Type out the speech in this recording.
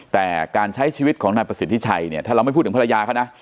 แต่การใช้ชีวิตของนายประสิทธิชัยเนี่ยถ้าเราไม่พูดถึงภรรยาเขานะ